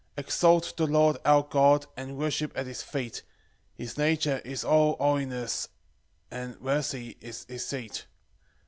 1 Exalt the Lord our God, And worship at his feet; His nature is all holiness, And mercy is his seat.